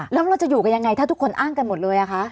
แล้วเราจะอยู่กันยังไงถ้าทุกคนอ้างกันหมดเลยอะคะ